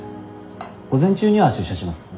午前中には出社します。